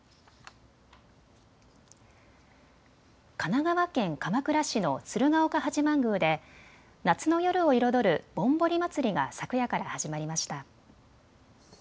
神奈川県鎌倉市の鶴岡八幡宮で夏の夜を彩るぼんぼり祭が昨夜から始まりました。